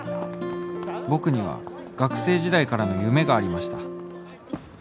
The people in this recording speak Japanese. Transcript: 僕には学生時代からの夢がありました